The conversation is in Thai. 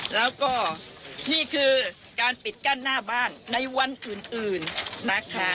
แล้วก็นี่คือการปิดกั้นหน้าบ้านในวันอื่นนะคะ